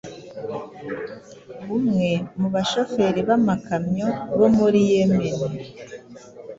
Umwe mu bashoferi b’amakamyo bo muri Yemen